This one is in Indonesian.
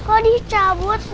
kok dicabut ma